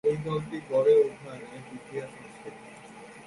এই দলটি গড়ে ওঠার এক ইতিহাস আছে।